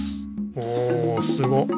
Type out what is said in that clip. おおすごっ！